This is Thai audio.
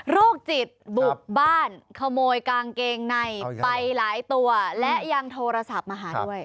โรคจิตบุกบ้านขโมยกางเกงในไปหลายตัวและยังโทรศัพท์มาหาด้วย